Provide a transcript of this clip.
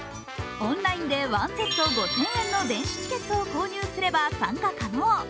オンラインでワンセット５０００円の電子七ケットを購入すれば参加可能。